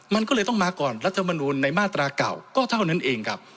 มันก็เลยต้องมาก่อนรัฐมนูลในมาตราเก่าก็เท่านั้นเองครับ